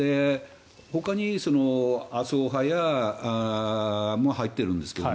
ほかに麻生派も入っているんですが。